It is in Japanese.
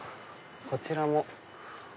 こちらも。